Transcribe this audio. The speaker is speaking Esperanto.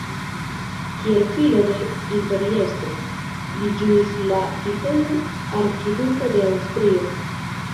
Kiel filo de imperiestro, li ĝuis la titolon "Arkiduko de Aŭstrio".